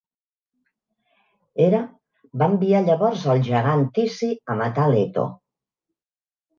Hera va enviar llavors el gegant Tici a matar Leto.